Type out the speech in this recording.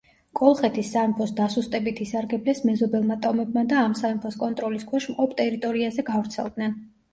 კოლხეთის სამეფოს დასუსტებით ისარგებლეს მეზობელმა ტომებმა და ამ სამეფოს კონტროლის ქვეშ მყოფ ტერიტორიაზე გავრცელდნენ.